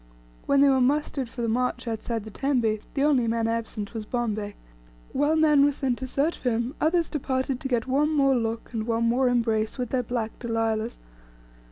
When they were mustered for the march outside the tembe, the only man absent was Bombay. While men were sent to search for him, others departed to get one more look, and one more embrace with their black Delilahs.